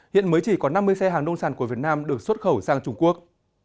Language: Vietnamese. hiện mới chỉ có năm mươi xe hàng nông sản của việt nam được xuất khẩu sang trung quốc